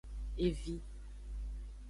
Evi.